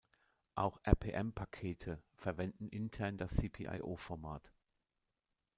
Auch rpm-Pakete verwenden intern das cpio-Format.